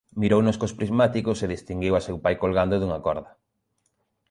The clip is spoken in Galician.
mirounos cos prismáticos e distinguiu a seu pai colgando dunha corda;